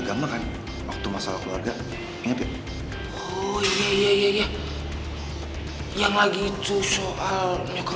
jangan lupa like share dan subscribe ya